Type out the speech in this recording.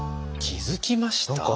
気付きました？